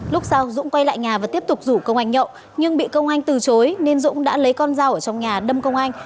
lúc sau dũng quay lại nhà và tiếp tục rủ công anh nhậu nhưng bị công anh từ chối nên dũng đã lấy con dao ở trong nhà đâm công anh